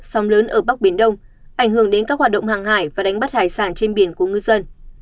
sông lớn ở bắc biển đông ảnh hưởng đến các hoạt động hàng hải và đánh bắt hải sản trên biển của ngư dân